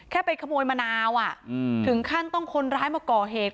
ไปขโมยมะนาวถึงขั้นต้องคนร้ายมาก่อเหตุ